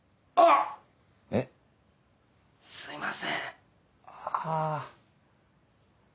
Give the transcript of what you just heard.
あっすいません